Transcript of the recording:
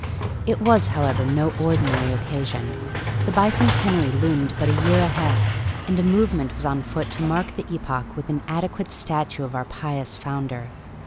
It was, however, no ordinary occasion. The bicentenary loomed but a year ahead, and a movement was on foot to mark the epoch with an adequate statue of our pious founder.